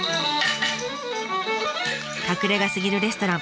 隠れ家すぎるレストラン